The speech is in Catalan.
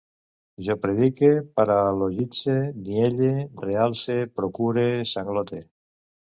Jo predique, paralogitze, nielle, realce, procure, sanglote